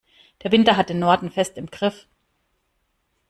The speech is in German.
Der Winter hat den Norden fest im Griff.